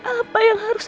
apa yang harus